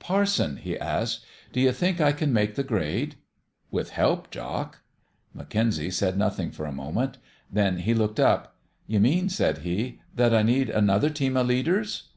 11 Parson," he asked, " do you think I can make the grade ?" "With help, Jock." McKenzie said nothing for a moment. Then he looked up. " You mean," said he, " that I need another team of leaders